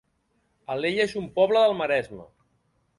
Alella es un poble del Maresme